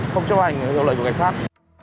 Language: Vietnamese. không chấp hành hiệu lệnh của cảnh sát